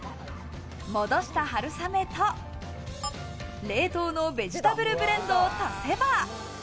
戻した春雨と冷凍のベジタブルブレンドを足せば。